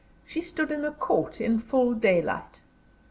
She stood in a court, in full daylight.